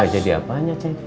gak jadi apanya ceng